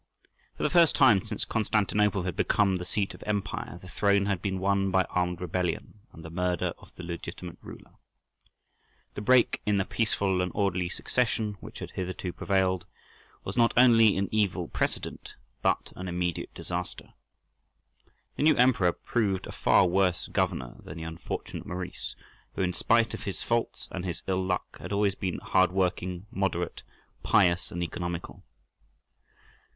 For the first time since Constantinople had become the seat of empire the throne had been won by armed rebellion and the murder of the legitimate ruler. The break in the peaceful and orderly succession which had hitherto prevailed was not only an evil precedent, but an immediate disaster. The new emperor proved a far worse governor than the unfortunate Maurice, who, in spite of his faults and his ill luck, had always been hard working, moderate, pious, and economical.